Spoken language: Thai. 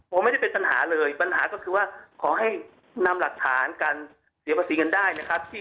ผมไม่ได้เป็นปัญหาเลยปัญหาก็คือว่าขอให้นำหลักฐานการเสียภาษีเงินได้นะครับ